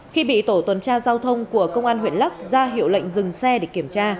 khi bị tổ tuần tra giao thông của công an huyện lắc ra hiệu lệnh dừng xe để kiểm tra